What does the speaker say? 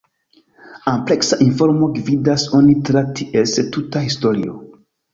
Ampleksa informo gvidas onin tra ties tuta historio.